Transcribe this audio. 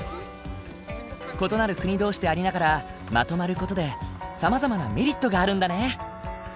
異なる国同士でありながらまとまる事でさまざまなメリットがあるんだね。